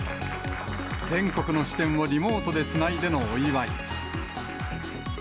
全国の支店をリモートでつないでのお祝い。